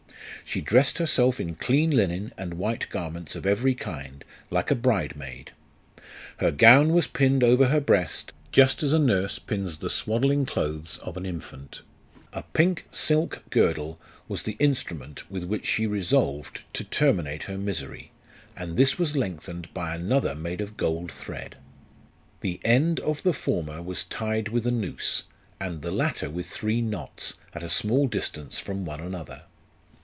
She dressed herself in clean linen and white garments of every kind, like a bride maid. Her gown was pinned over her breast, just as a nurse pins the swaddling clothes of an infant. A pink silk girdle was the instrument with which she resolved to terminate her misery, and this was lengthened by another LIFE OF RICHARD NASH. 75 made of gold thread. The end of the former was tied with a noose, and the latter with three knots, at a small distance from one another.